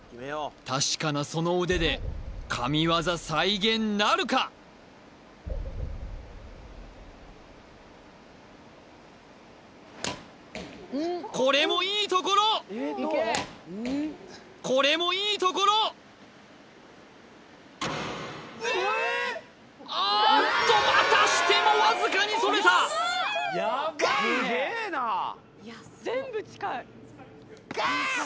確かなその腕で神業再現なるかこれもいいところこれもいいところああっとまたしてもわずかにそれたガッ！